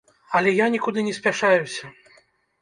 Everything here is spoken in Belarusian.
Але я нікуды не спяшаюся.